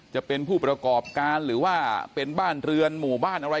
จะเป็นผู้ประกอบการหรือว่าเป็นบ้านเรือนหมู่บ้านอะไร